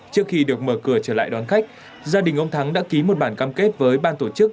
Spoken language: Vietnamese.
trước khi được mở cửa trở lại đón khách gia đình ông thắng đã ký một bản cam kết với ban tổ chức